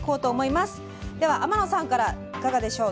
では天野さんからいかがでしょう。